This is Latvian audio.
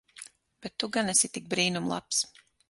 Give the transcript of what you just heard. Bet tu gan esi tik brīnum labs.